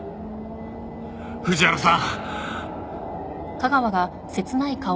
藤原さん！